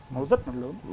nó rất là lớn